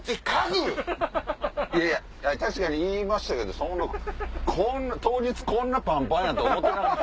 確かに言いましたけど当日こんなパンパンやと思ってなかった。